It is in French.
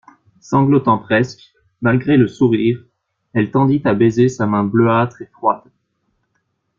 Sanglotant presque, malgré le sourire, elle tendit à baiser sa main bleuâtre et froide.